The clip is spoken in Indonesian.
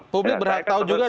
publik berhak tahu juga dong pak